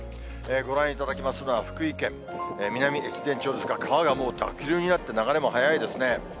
ご覧いただきますのは、福井県南越前町ですが、川がもう濁流になって、流れも速いですね。